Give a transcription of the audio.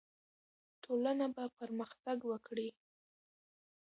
ټولنه به پرمختګ وکړي.